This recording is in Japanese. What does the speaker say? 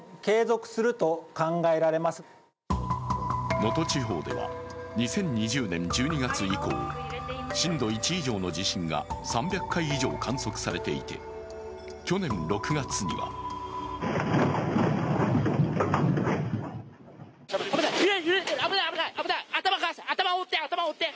能登地方では２０２０年１２月以降震度１以上の地震が３００回以上観測されていて去年６月には危ない、揺れてる、頭覆って！